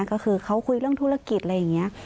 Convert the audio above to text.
ก็คือเขาคุยเรื่องธุรกิจอะไรอย่างนี้